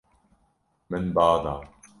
Min ba da.